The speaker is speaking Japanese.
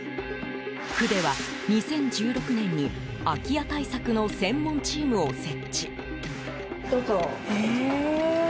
区では、２０１６年に空き家対策の専門チームを設置。